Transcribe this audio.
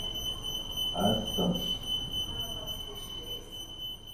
A sen.